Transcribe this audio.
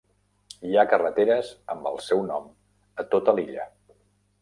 Hi ha carreteres amb el seu nom a tota l'illa.